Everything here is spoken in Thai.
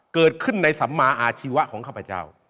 เกิดขึ้นในสัมมาอาชีวะของข้าพเจ้า